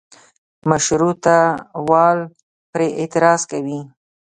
مشروطه وال پرې اعتراض کوي.